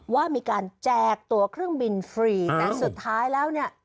ว่ามีการแจกตัวเครื่องบินฟรีแต่สุดท้ายแล้วเนี่ย